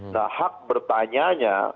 nah hak bertanyanya